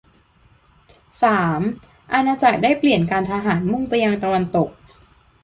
สาม อาณาจักรได้เปลี่ยนการทหารมุ่งไปยังตะวันตก